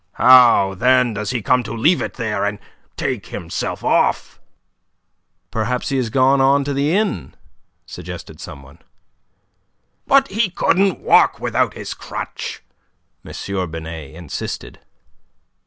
"How then does he come to leave it there and take himself off?" "Perhaps he has gone on to the inn," suggested some one. "But he couldn't walk without his crutch," M. Binet insisted.